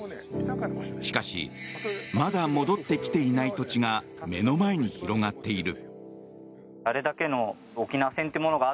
しかし、まだ戻ってきていない土地が目の前に広がっている。